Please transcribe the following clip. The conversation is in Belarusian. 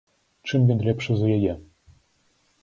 Чым ён лепшы за яе?